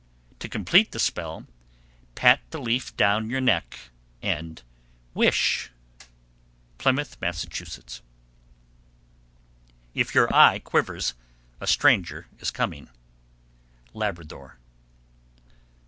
To complete the spell, pat the leaf down your neck and wish. Plymouth, Mass. 778. If your eye quivers, a stranger is coming. _Labrador.